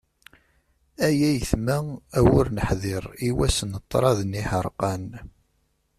Ay ayetma a wi ur neḥdir, i wass n ṭṭrad n yiḥerqan.